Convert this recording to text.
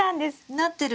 なってる。